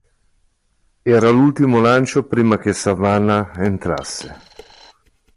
Era l'ultimo lancio prima che Savannah entrasse.